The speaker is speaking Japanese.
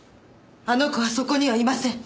あの子はそこにはいません。